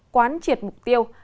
quán triệt mục tiêu